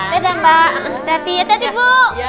dadah mbak dadi ya dadi bu